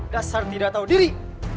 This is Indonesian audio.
dasar tidak tahu diri